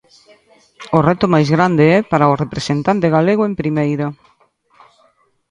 O reto máis grande é para o representante galego en Primeira.